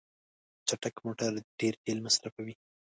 چټک موټر ډیر تېل مصرفوي.